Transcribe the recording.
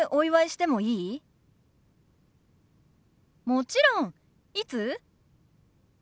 もちろん。いつ？